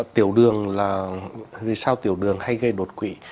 tiểu đường là vì sao tiểu đường hay gây đột quỵ